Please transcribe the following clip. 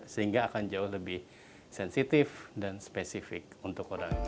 sehingga akan jauh lebih sensitif dan spesifik untuk orang